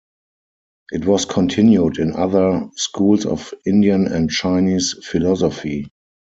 It was continued in other schools of Indian and Chinese philosophy.